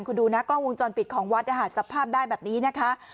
คุณดูนะกล้องวงจรปิดของวัดจับภาพได้แบบนี้นะคะ